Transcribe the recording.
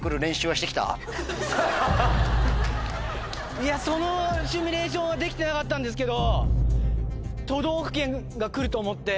いやそのシミュレーションはできてなかったんですけど。